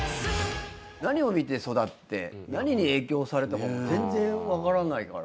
何を見て育って何に影響されたかも全然分からないから。